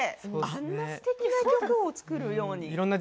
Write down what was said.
あんなすてきな曲を作るようになって。